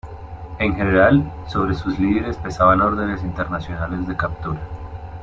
En general sobre sus líderes pesaban órdenes internacionales de captura.